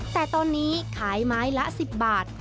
แต่ตอนนี้ขายไม้ละ๑๐บาท